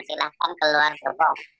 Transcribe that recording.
silahkan keluar gerbong